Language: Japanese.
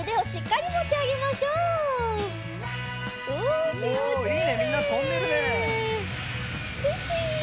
おおきもちいいね。